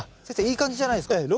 先生いい感じじゃないですか？